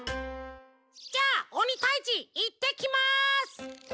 じゃあおにたいじいってきます！